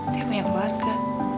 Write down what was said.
dia punya keluarga